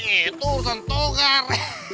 itu urusan togar